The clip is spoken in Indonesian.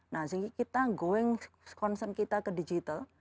nah sehingga kita going concern kita ke digital